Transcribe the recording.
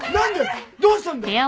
どうしたんだよ！